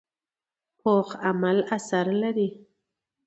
پوخ عمل اثر لري